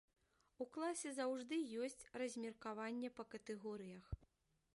У класе заўжды ёсць размеркаванне па катэгорыях.